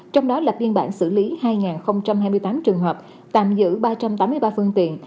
trong đó lập biên bản xử lý hai hai mươi tám trường hợp tạm giữ ba trăm tám mươi ba phương tiện